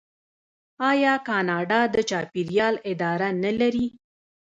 آیا کاناډا د چاپیریال اداره نلري؟